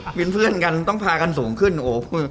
เป็นเพื่อนกันต้องพากันสูงขึ้นโอ้